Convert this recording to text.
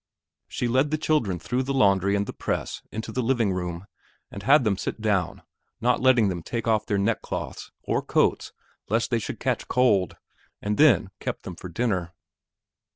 She led the children through the laundry and the press into the living room and had them sit down, not letting them take off their neckcloths or coats lest they should catch cold, and then kept them for dinner.